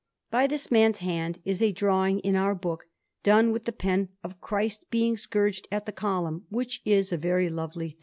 By this man's hand is a drawing in our book, done with the pen, of Christ being scourged at the Column, which is a very lovely thing.